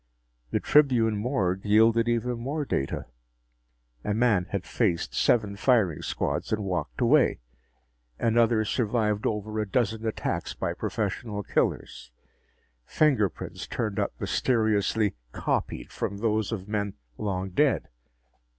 The Tribune morgue yielded even more data. A man had faced seven firing squads and walked away. Another survived over a dozen attacks by professional killers. Fingerprints turned up mysteriously "copied" from those of men long dead.